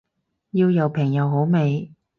要又平又好味